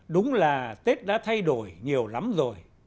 đúng là tết đã thay đổi nhiều lắm rồi